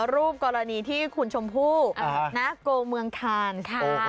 รูปกรณีที่คุณชมพู่โกเมืองคานค่ะ